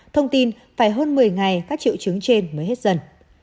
thông tin phải hơn một mươi ngày các triệu chứng trên mới hết dần